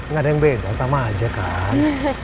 nggak ada yang beda sama aja kan